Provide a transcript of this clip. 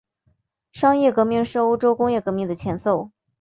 商业革命是欧洲工业革命的前奏。